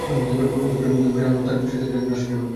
অতঃপর তুমি ফিরআউন ও তার সাথীদেরকে গ্রাস করে ফেলবে।